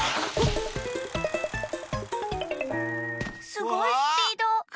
すごいスピード！